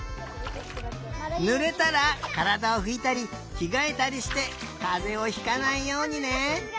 ぬれたらからだをふいたりきがえたりしてかぜをひかないようにね！